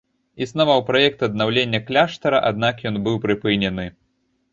Існаваў праект аднаўлення кляштара, аднак ён быў прыпынены.